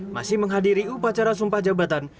masih menghadiri upacara sumpah jabatan